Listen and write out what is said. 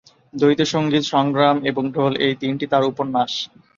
দ্বৈত সঙ্গীত, সংগ্রাম এবং ঢোল-এই তিনটি তার উপন্যাস।